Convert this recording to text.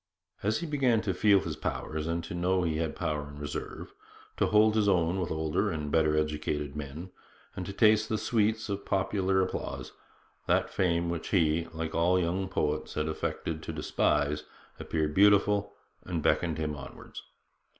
As he began to feel his powers, and to know that he had power in reserve; to hold his own with older and better educated men; and to taste the sweets of popular applause, that fame which he, like all young poets, had affected to despise appeared beautiful and beckoned him onwards.